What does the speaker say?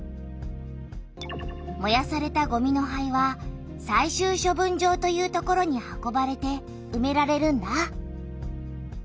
もやされたごみの灰は最終処分場という所に運ばれてうめられるんだ。